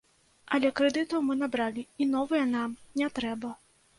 Але крэдытаў мы набралі, і новыя нам не трэба.